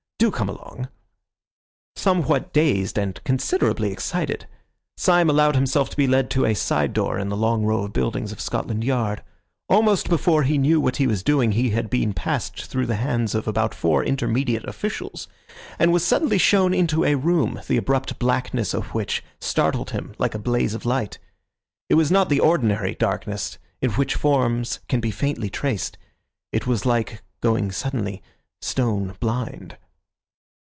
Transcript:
Do come along." Somewhat dazed and considerably excited, Syme allowed himself to be led to a side door in the long row of buildings of Scotland Yard. Almost before he knew what he was doing, he had been passed through the hands of about four intermediate officials, and was suddenly shown into a room, the abrupt blackness of which startled him like a blaze of light. It was not the ordinary darkness, in which forms can be faintly traced; it was like going suddenly stone blind.